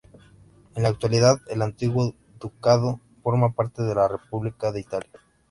En la actualidad, el antiguo ducado forma parte de la República de Italia.